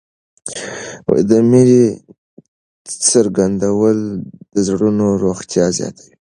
د مینې څرګندول د زړونو روغتیا زیاتوي.